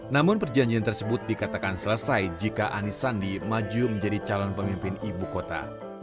namun perjanjian tersebut dikatakan selesai jika anis sandi maju menjadi calon pemimpin ibu kota